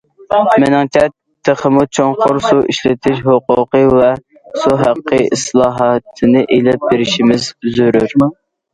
مېنىڭچە، تېخىمۇ چوڭقۇر سۇ ئىشلىتىش ھوقۇقى ۋە سۇ ھەققى ئىسلاھاتىنى ئېلىپ بېرىشىمىز زۆرۈر.